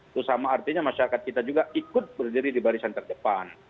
itu sama artinya masyarakat kita juga ikut berdiri di barisan terdepan